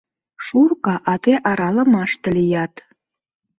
Шурка, а тый аралымаште лият...